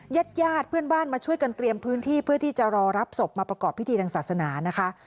ญาติญาติเพื่อนบ้านมาช่วยกันเตรียมพื้นที่เพื่อที่จะรอรับศพมาประกอบพิธีทางศาสนานะคะ